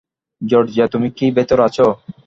Georgia, তুমি কি ভেতরে আছো?